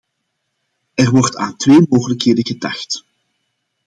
Er wordt aan twee mogelijkheden gedacht.